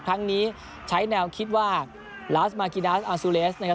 ครั้งนี้ใช้แนวคิดว่าลาสมากินัสอาซูเลสนะครับ